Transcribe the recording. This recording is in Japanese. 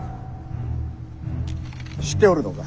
知っておるのか？